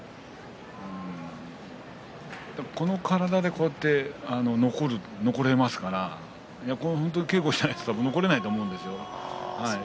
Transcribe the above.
この体でこうやって残れますから本当に稽古をしていないと残れないと思うんですよ。